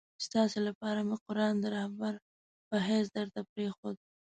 ستاسي لپاره مي قرآن د رهبر په حیث درته پرېښود.